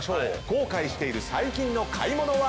後悔している最近の買い物は？